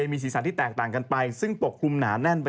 มีสีสันที่แตกต่างกันไปซึ่งปกคลุมหนาแน่นไป